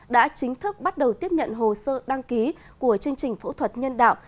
đã chính thức bắt đầu tiếp nhận hồ sơ đăng ký của chương trình phẫu thuật nhân đạo